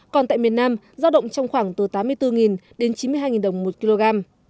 còn tại miền nam giao động trong khoảng từ tám mươi bốn đến chín mươi hai đồng một kg